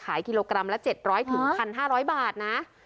ขายกิโลกรัมละเจ็ดร้อยถึงพันห้าร้อยบาทนะ